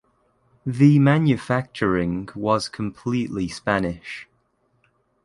The manufacturing was completely Spanish.